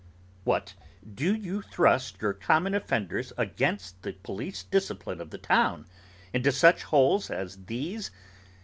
What! do you thrust your common offenders against the police discipline of the town, into such holes as these?